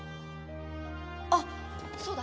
あっそうだ！